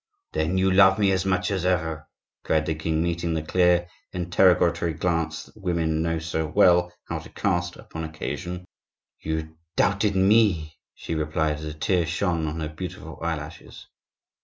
"Then you love me as much as ever!" cried the king, meeting the clear, interrogatory glance that women know so well how to cast upon occasion. "You doubted me," she replied, as a tear shone on her beautiful eyelashes.